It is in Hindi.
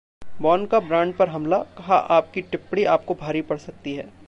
वॉन का ब्रॉड पर हमला, कहा- आपकी टिप्पणी आपको भारी पड़ सकती है